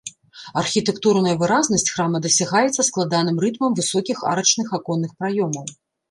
Архітэктурная выразнасць храма дасягаецца складаным рытмам высокіх арачных аконных праёмаў.